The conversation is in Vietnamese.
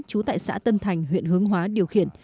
trú tại xã tân thành huyện hướng hóa điều khiển